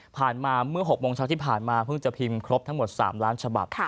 มาเมื่อ๖โมงเช้าที่ผ่านมาเพิ่งจะพิมพ์ครบทั้งหมด๓ล้านฉบับ